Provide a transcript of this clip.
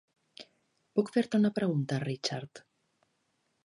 Puc fer-te una pregunta, Richard?